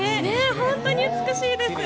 本当に美しいですよね。